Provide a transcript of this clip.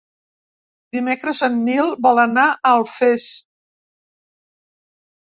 Dimecres en Nil vol anar a Alfés.